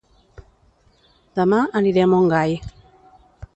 Dema aniré a Montgai